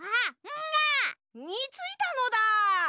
「ん」が！についたのだ。